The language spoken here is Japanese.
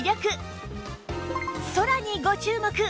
空にご注目！